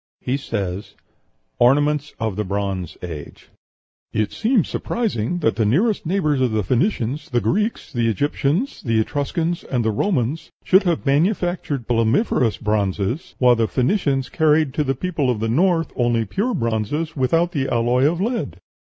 He says, ORNAMENTS OF THE BRONZE AGE "It seems surprising that the nearest neighbors of the Phoenicians the Greeks, the Egyptians, the Etruscans, and the Romans should have manufactured plumbiferous bronzes, while the Phoenicians carried to the people of the North only pure bronzes without the alloy of lead.